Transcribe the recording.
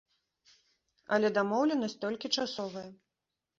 Але дамоўленасць толькі часовая.